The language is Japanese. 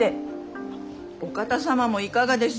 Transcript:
あっお方様もいかがです？